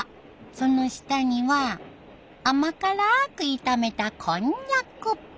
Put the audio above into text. その下には甘辛く炒めたこんにゃく。